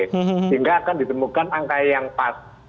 sehingga akan ditemukan angka yang pas